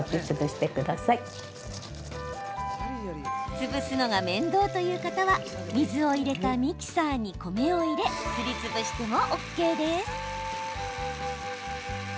潰すのが面倒という方は水を入れたミキサーに米を入れすりつぶしてもＯＫです。